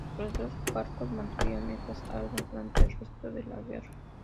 Los dos barcos mantuvieron estas armas durante el resto de la guerra.